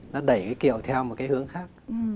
nó đẩy cái kiệu theo một cái hướng khác